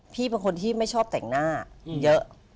พี่เป็นคนที่ไม่ชอบแต่งหน้าเยอะ